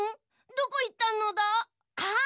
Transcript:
どこいったのだ？あっ！